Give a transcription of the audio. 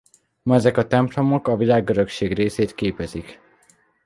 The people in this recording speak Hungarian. Ma ezek a templomok a Világörökség részét képezik.